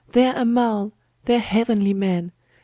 Their Amal! Their heavenly man!